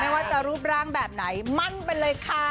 ว่าจะรูปร่างแบบไหนมั่นไปเลยค่ะ